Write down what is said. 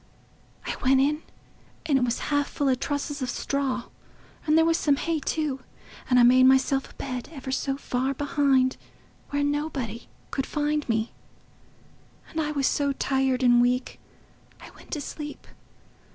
I went in, and it was half full o' trusses of straw, and there was some hay too. And I made myself a bed, ever so far behind, where nobody could find me; and I was so tired and weak, I went to sleep....